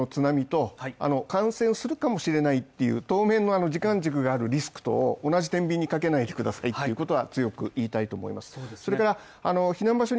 命の危険があるというこの津波と感染をするかもしれないっていう当面の時間軸があるリスクと同じ天秤にかけないでくださいということは強く言いたいと思います